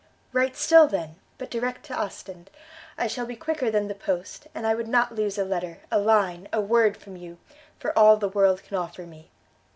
"Write still, then; but direct to Ostend; I shall be quicker than the post; and I would not lose a letter a line a word from you, for all the world can offer me!"